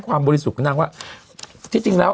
มันติดคุกออกไปออกมาได้สองเดือน